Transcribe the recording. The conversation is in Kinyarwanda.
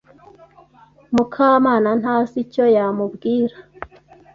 Mukamana ntazi icyo yamubwira.